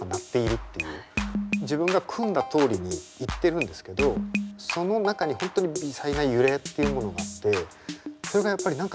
自分が組んだとおりにいってるんですけどその中に本当に微細な揺れっていうものがあってそれがやっぱり何か人格を帯びてるような感覚になるんすよ。